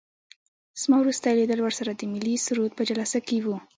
زما وروستی لیدل ورسره د ملي سرود په جلسه کې وو.